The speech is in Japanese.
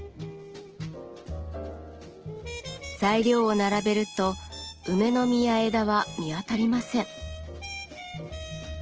材料を並べると梅の実や枝は見当たりません。